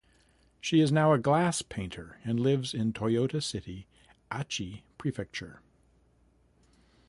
She is now a glass painter, and lives in Toyota City, Aichi Prefecture.